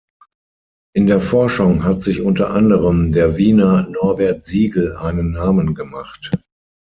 In der Forschung hat sich unter anderem der Wiener Norbert Siegl einen Namen gemacht.